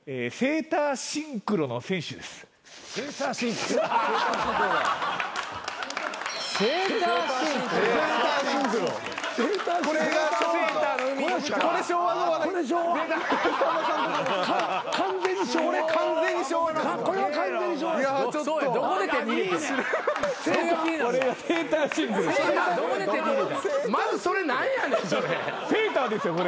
セーターですよ